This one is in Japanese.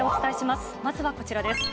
まずはこちらです。